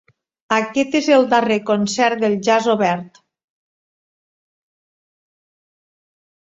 Aquest és el darrer concert del Jazz Obert.